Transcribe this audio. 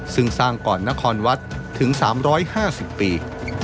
ซึ่งสร้างก่อนนครวัดถึง๓๕๐ปี